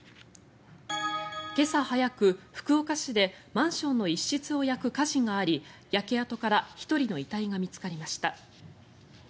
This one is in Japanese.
今朝早く、福岡市でマンションの一室を焼く火事があり焼け跡から１人の遺体が見つかりました。